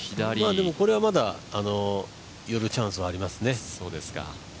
でも、これはまだ寄るチャンスはありますね。